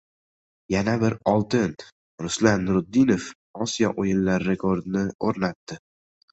Yana bir oltin! Ruslan Nuriddinov Osiyo o‘yinlari rekordini o‘rnatdi!